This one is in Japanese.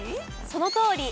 そのとおり。